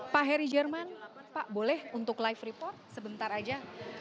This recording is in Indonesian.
pak heri jerman pak boleh untuk live report sebentar aja